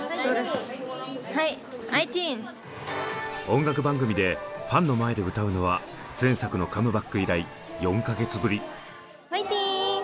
音楽番組でファンの前で歌うのは前作のカムバック以来４か月ぶり。